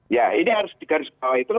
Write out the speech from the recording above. ya ini harus dikariskan